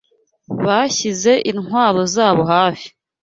Bashyize intwaro zabo hafi